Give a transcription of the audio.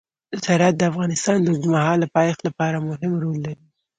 زراعت د افغانستان د اوږدمهاله پایښت لپاره مهم رول لري.